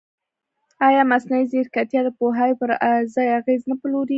ایا مصنوعي ځیرکتیا د پوهاوي پر ځای اغېز نه پلوري؟